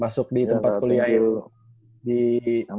masuk di tempat kuliah